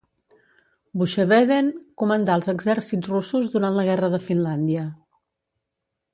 Buxhoeveden comandà els exèrcits russos durant la guerra de Finlàndia.